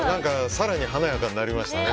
更に華やかになりましたね。